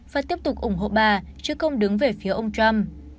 và tiếp tục ủng hộ bà chứ không đứng về phía ông trump